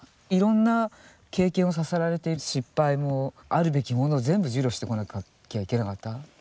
いろんな経験をさせられて失敗もあるべきものを全部受容してこなきゃいけなかった。